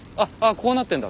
こうなってんだ。